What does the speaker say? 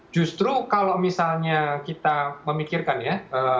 justru kalau misalnya kita memikirkan ya